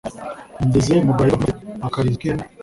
Ngeze mu gahinga mfunga feri-Akarizo k'ihene.